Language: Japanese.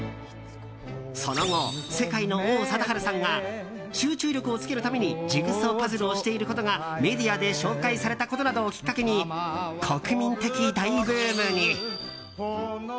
その後、世界の王貞治さんが集中力をつけるためにジグソーパズルをしていることがメディアで紹介されたことなどをきっかけに国民的大ブームに。